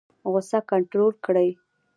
غوسه کنټرول کړئ